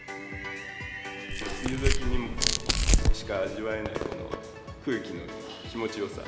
梅雨時にしか味わえない、この空気の気持ちよさ。